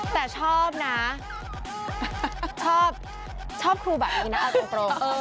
แต่ชอบนะชอบครูแบบนี้นะเอาตรง